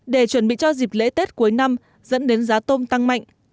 để chuẩn bị cho dịp lễ tết cuối năm dẫn đến giá tôm tăng mạnh